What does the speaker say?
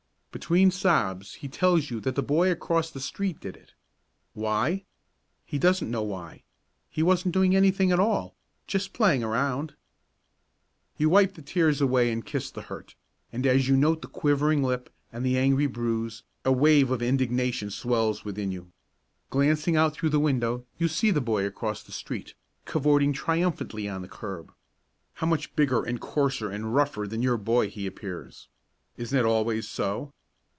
Between sobs he tells you that the boy across the street did it. Why? He doesn't know why; he wasn't doing anything at all, "jes' playin' around." You wipe the tears away and kiss the hurt, and as you note the quivering lip and the angry bruise, a wave of indignation swells within you. Glancing out through the window you see the boy across the street, cavorting triumphantly on the curb. How much bigger and coarser and rougher than your boy he appears isn't it always so?